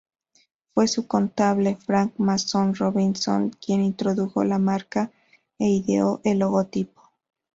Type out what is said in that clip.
Fue su contable Frank Mason Robinson quien introdujo la marca e ideó el logotipo.